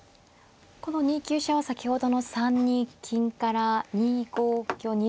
この２九飛車は先ほどの３二金から２五香２六香の。